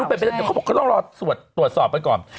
ข้าบอกว่าข้าต้องรอสวดสอบไปก่อน